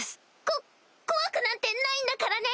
こ怖くなんてないんだからね！